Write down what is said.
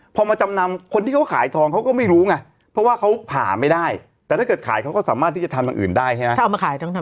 พอมาจำนำคนที่เขาขายทองเขาก็ไม่รู้ไงเพราะว่าเขาผ่าไม่ได้แต่ถ้าเกิดขายเขาก็สามารถที่จะทำอย่างอื่นได้ใช่ไหม